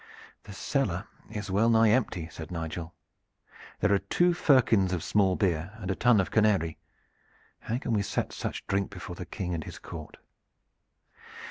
"The cellar is well nigh empty," said Nigel. "There are two firkins of small beer and a tun of canary. How can we set such drink before the King and his court?"